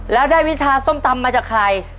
แล้วได้วิชาส้มตำมาจากใคร